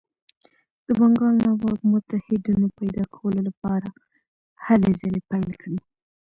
د بنګال نواب متحدینو پیدا کولو لپاره هلې ځلې پیل کړې.